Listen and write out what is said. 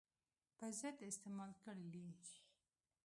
په ضد استعمال کړلې.